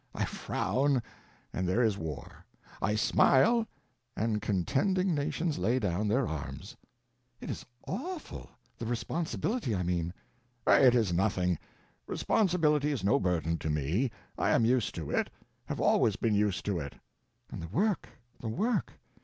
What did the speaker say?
I frown, and there is war; I smile, and contending nations lay down their arms." "It is awful. The responsibility, I mean." "It is nothing. Responsibility is no burden to me; I am used to it; have always been used to it." "And the work—the work!